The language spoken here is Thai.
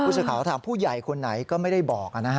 อุตสาขาถามผู้ใหญ่คนไหนก็ไม่ได้บอก